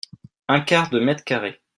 Un quart de mètre-carré.